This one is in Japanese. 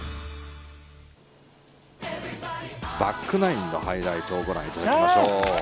バックナインのハイライトをご覧いただきましょう。